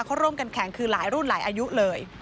เขาร่วมกันแข่งคือหลายรุ่นหลายอายุเลย